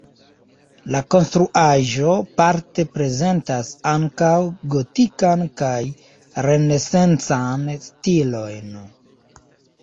La konstruaĵo parte prezentas ankaŭ gotikan kaj renesancan stilojn.